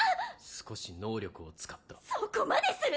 少し能力を使ったそこまでする！？